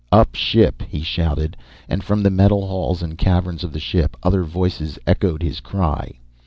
"Up ship!" he shouted, and from the metal halls and caverns of the ship other voices echoed his cry.